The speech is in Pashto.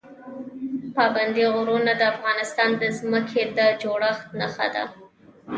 پابندی غرونه د افغانستان د ځمکې د جوړښت نښه ده.